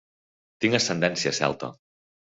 Tinc ascendència celta.